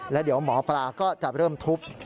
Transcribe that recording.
แล้วเดี๋ยวหมอปลาก็จะเริ่มทุบ